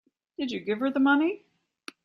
Did you give her the money?